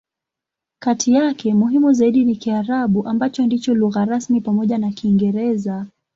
Kati yake, muhimu zaidi ni Kiarabu, ambacho ndicho lugha rasmi pamoja na Kiingereza.